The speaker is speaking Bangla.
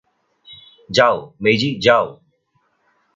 যাও, মেইজি, যাও!